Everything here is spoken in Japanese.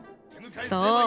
そう。